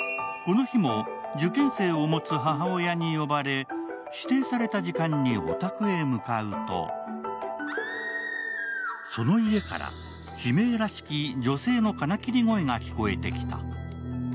この日も、受験生を持つ母親に呼ばれ、指定された時間にお宅へ向かうとその家から悲鳴らしき女性の金切り声が聞こえてきた。